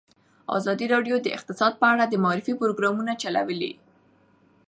ازادي راډیو د اقتصاد په اړه د معارفې پروګرامونه چلولي.